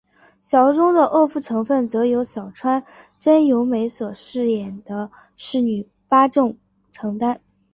小说中的恶妇成份则由小川真由美所饰演的侍女八重承担。